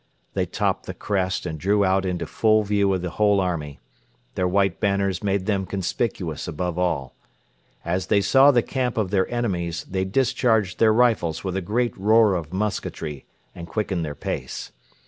They topped the crest and drew out into full view of the whole army. Their white banners made them conspicuous above all. As they saw the camp of their enemies, they discharged their rifles with a great roar of musketry and quickened their pace.